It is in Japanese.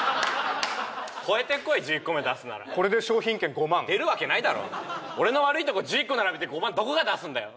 超えてこい１１個目出すならこれで商品券５万？出るわけないだろ俺の悪いとこ１１個並べて５万どこが出すんだよ